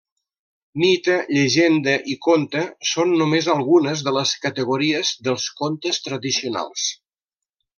Mite, llegenda i conte són només algunes de les categories dels contes tradicionals.